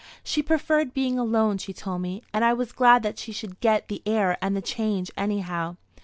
She preferred being alone, she told me, and I was glad that she should get the air and the change anyhow.